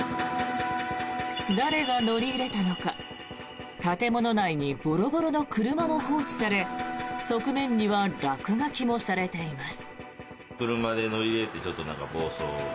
誰が乗り入れたのか建物内にボロボロの車も放置され側面には落書きもされています。